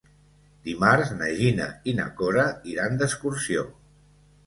Dimarts na Gina i na Cora iran d'excursió.